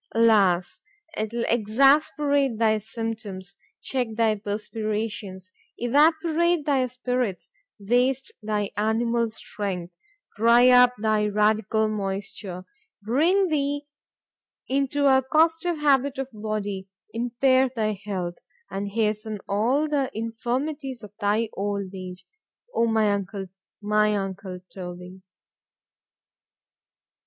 ——Alas! 'twill exasperate thy symptoms,—check thy perspirations—evaporate thy spirits—waste thy animal strength, dry up thy radical moisture, bring thee into a costive habit of body,——impair thy health,——and hasten all the infirmities of thy old age.—O my uncle! my uncle _Toby.